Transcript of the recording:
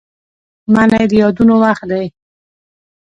منی د یادونو وخت دی